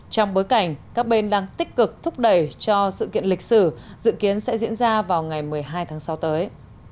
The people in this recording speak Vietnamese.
trong bối cảnh các bên đang tích cực thúc đẩy cho sự kiện lịch sử dự kiến sẽ diễn ra vào ngày một mươi hai tháng sáu tới